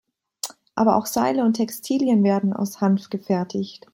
Aber auch Seile und Textilien werden aus Hanf gefertigt.